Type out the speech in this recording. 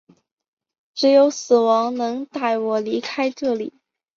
只有死亡能带我离开这里！